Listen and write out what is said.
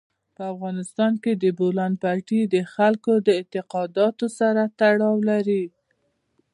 په افغانستان کې د بولان پټي د خلکو د اعتقاداتو سره تړاو لري.